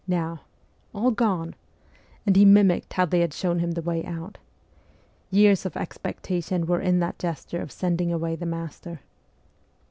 now all gone?" 'And he mimicked how they had shown him the way out. Years of expectation were in that gesture of sending away the master.